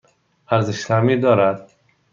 ارزش تعمیر دارد؟